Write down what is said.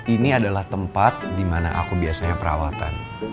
ini adalah tempat dimana aku biasanya perawatan